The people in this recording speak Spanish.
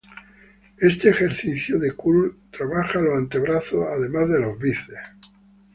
Este ejercicio de Curl trabaja los antebrazos además de los bíceps.